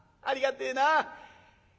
ありがてえな。